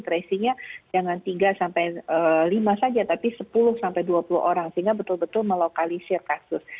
tracingnya jangan tiga sampai lima saja tapi sepuluh sampai dua puluh orang sehingga betul betul melokalisir kasus